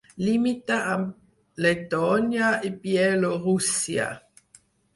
Limita amb Letònia i Bielorússia.